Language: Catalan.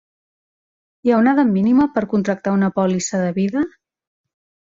Hi ha una edat mínima per contractar una pòlissa de vida?